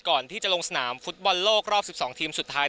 ก่อนที่จะลงสนามฟุตบอลโลกรอบ๑๒ทีมสุดท้าย